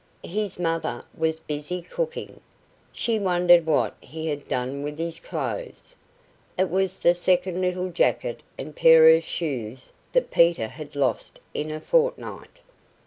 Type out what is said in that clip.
His mother was busy cooking; she wondered what he had done with his clothes. It was the second little jacket and pair of shoes that Peter had lost in a fortnight!